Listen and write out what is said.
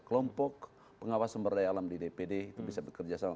kelompok pengawas sumber daya alam di dpd itu bisa bekerja sama